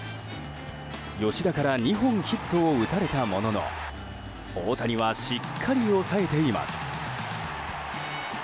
吉田から２本ヒットを打たれたものの大谷はしっかり抑えています。